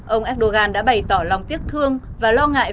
ông erdogan đã bày tỏ lòng tiếc thương và lo ngại